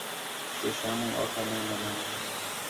کہ شاموں آکھا نَے مَنا